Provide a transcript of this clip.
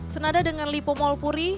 senada dengan tipo mal puri